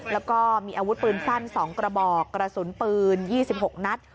แล้วก็มีอาวุธปืนสั้น๒กระบอกกระสุนปืน๒๖นัด